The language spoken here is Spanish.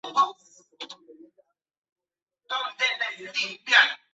Uno de ellos era Kim Philby.